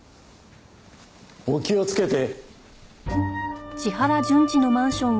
お気をつけて。